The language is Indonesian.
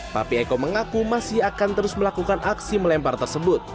papi eko mengaku masih akan terus melakukan aksi melempar tersebut